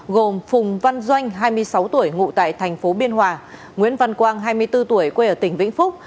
gồm phùng văn doanh hai mươi sáu tuổi ngụ tại thành phố biên hòa nguyễn văn quang hai mươi bốn tuổi quê ở tỉnh vĩnh phúc